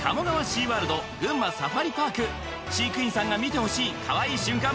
シーワールド群馬サファリパーク飼育員さんが見てほしいかわいい瞬間